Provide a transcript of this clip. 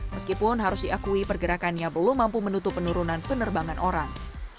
meskipun harus diakui pergerakannya belum mampu menutup penurunan penerbangan orang